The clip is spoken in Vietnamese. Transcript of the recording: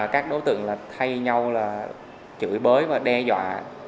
các đối tượng là thay nhau là chửi bới và đe dọa